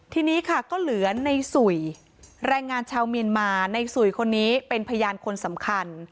ทีนี้ค่ะก็เหลือในสุยแรงงานชาวเมียนมาในสุยคนนี้เป็นพยานคนสำคัญ